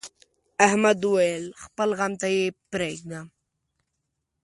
احمد وويل: خپل غم ته یې پرېږده.